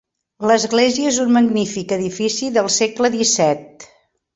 L'església és un magnífic edifici del segle disset.